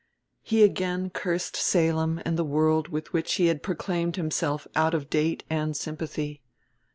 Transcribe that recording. He again cursed Salem and the world with which he had proclaimed himself out of date and sympathy.